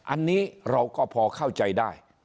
อันนี้เราก็พอเข้าใจได้